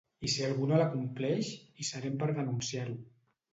I si algú no la compleix, hi serem per denunciar-ho.